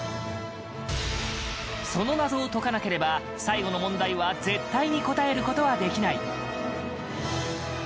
その謎を解かなければ最後の問題は絶対に答えることはできない。